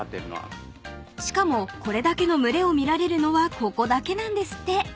［しかもこれだけの群れを見られるのはここだけなんですって］